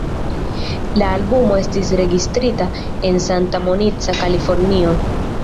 La albumo estis registrita en Santa Monica, Kalifornio.